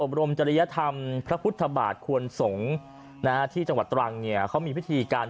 บรมจริยธรรมพระพุทธบาทควรสงฆ์นะฮะที่จังหวัดตรังเนี่ยเขามีพิธีการ